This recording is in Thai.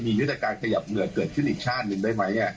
มียุทธการขยับเหงื่อเกิดขึ้นอีกชาติหนึ่งได้ไหม